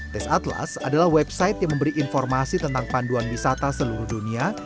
tes atlas adalah website yang memberi informasi tentang panduan wisata seluruh dunia